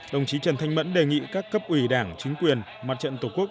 đồng chí trần thanh mẫn đề nghị các cấp ủy đảng chính quyền mặt trận tổ quốc